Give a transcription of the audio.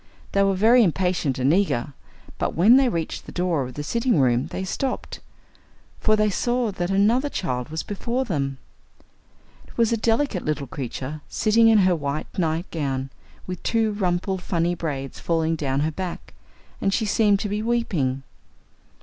They were very impatient and eager, but when they reached the door of the sitting room they stopped, for they saw that another child was before them. It was a delicate little creature, sitting in her white night gown, with two rumpled funny braids falling down her back, and she seemed to be weeping.